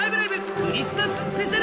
クリスマススペシャル。